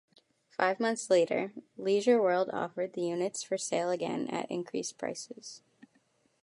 Five months later, Leisure World offered the units for sale again at increased prices.